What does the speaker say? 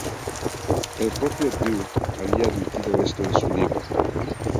El propio Dew había admitido esto en su libro.